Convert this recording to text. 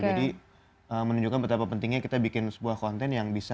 jadi menunjukkan betapa pentingnya kita bikin sebuah konten yang bisa